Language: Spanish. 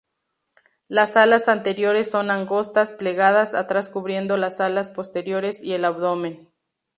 Las alas anteriores son angostas, plegadas atrás cubriendo las alas posteriores y el abdomen.